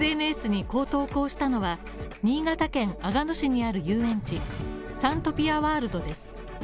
ＳＮＳにこう投稿したのは、新潟県阿賀野市にある遊園地サントピアワールドです。